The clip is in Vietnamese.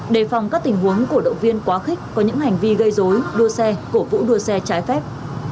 đề phòng các tình huống cổ động viên quá khích có những hành vi gây dối đua xe cổ vũ đua xe trái phép